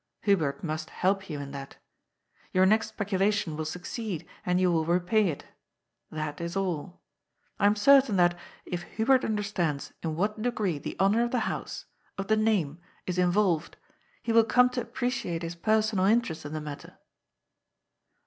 Hubert must help you in that. Your n6xt speculation will succeed, and you will repay it. That is all. I am certain that, if Hubert understands in what degree the honour of the house, of the name, is involved, he will come to appreciate his personal interest in the matter."